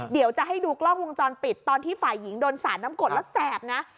เดี๋ยวจะให้ดูกล้องวงจรปิดตอนที่ฝ่ายหญิงโดนสาดน้ำกดแล้วแสบนะ